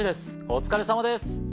お疲れさまです」。